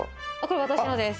これ私のです。